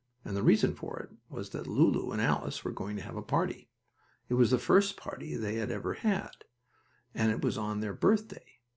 And the reason for it was that Lulu and Alice were going to have a party. It was the first party they had ever had, and it was on their birthday.